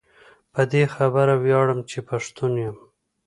په دي خبره وياړم چي پښتون يم